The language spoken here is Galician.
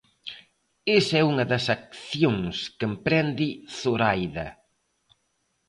Esa é unha das accións que emprende Zoraida.